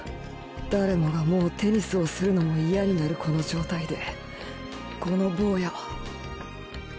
誰もがもうテニスをするのも嫌になるこの状態でこの坊やは。